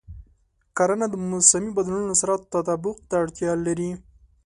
کرنه د موسمي بدلونونو سره تطابق ته اړتیا لري.